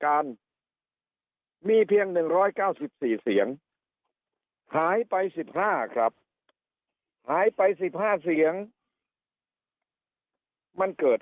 การมีเพียง๑๙๔เสียงหายไป๑๕ครับหายไป๑๕เสียงมันเกิด